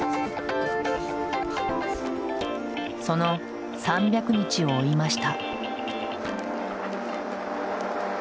その３００日を追いました。